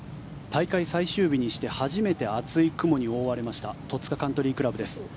大会最終日にして初めて厚い雲に覆われました戸塚カントリー倶楽部です。